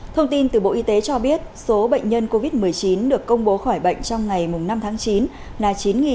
thông tin từ bộ y tế cho biết số bệnh nhân covid một mươi chín được công bố khỏi bệnh trong ngày năm tháng chín là chín hai trăm một mươi một